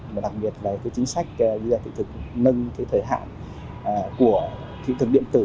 và đặc biệt là chính sách visa thị thực nâng thời hạn của thị thực điện tử